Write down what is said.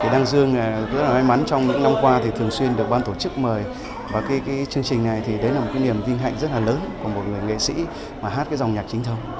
đăng dương rất là may mắn trong những năm qua thì thường xuyên được ban tổ chức mời và cái chương trình này thì đấy là một cái niềm vinh hạnh rất là lớn của một người nghệ sĩ mà hát cái dòng nhạc chính thông